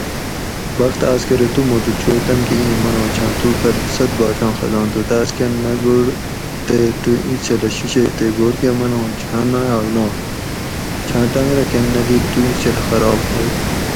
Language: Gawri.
بخت آس کہ ارو تو موٹو چو تۤم کہ ایں منوں چھاۤن تو پھر سۤت باچاں خزان تھو تاۤس کۤن نہ گڑٔ تے تو ایں چھلہ شیشئ تے گھور کہ من ھوں چھاں نایاک نات چھان ٹنگ رہ کۤن نہ دِیت تو ایں چھلہ خراب ہوئ